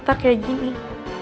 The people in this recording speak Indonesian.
masuk ke dalam